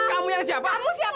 kamu yang siapa